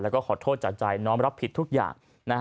แล้วก็ขอโทษจากใจน้องรับผิดทุกอย่าง